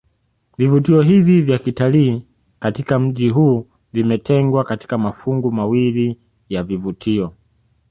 Vivutio hivi vya kitalii katika mji huu vimetengwa katika mafungu mawili ya vivutio